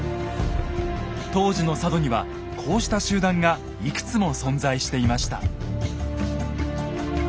当時の佐渡にはこうした集団がいくつも存在していました。